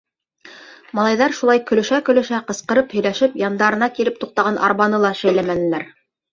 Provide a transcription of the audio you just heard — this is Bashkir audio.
Малайҙар шулай көлөшә-көлөшә ҡысҡырып һөйләшеп, яндарына килеп туҡтаған арбаны ла шәйләмәнеләр.